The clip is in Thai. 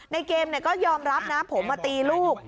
ในเกมก็ยอมรับนะผมมาตีลูก